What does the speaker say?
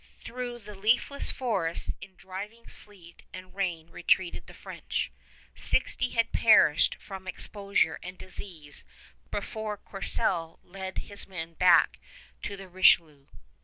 Through the leafless forests in driving sleet and rain retreated the French. Sixty had perished from exposure and disease before Courcelle led his men back to the Richelieu.